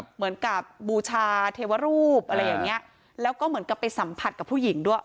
เหมือนกับบูชาเทวรูปอะไรอย่างเงี้ยแล้วก็เหมือนกับไปสัมผัสกับผู้หญิงด้วย